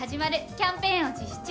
キャンペーンを実施中。